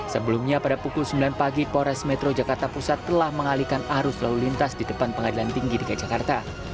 sebelumnya pada pukul sembilan pagi pores metro jakarta pusat telah mengalihkan arus lalu lintas di depan pengadilan tinggi dki jakarta